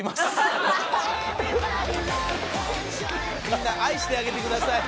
みんな愛してあげてください。